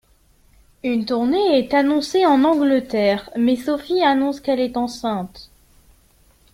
Une tournée est annoncée en Angleterre mais Sophie annonce qu'elle est enceinte.